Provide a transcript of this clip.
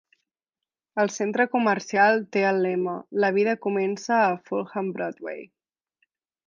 El centre comercial té el lema "La vida comença a Fulham Broadway".